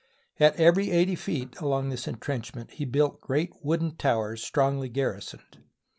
At every eighty feet along this intrenchment he built great wooden towers strongly garrisoned.